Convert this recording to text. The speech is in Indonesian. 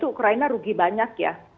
ukraina rugi banyak ya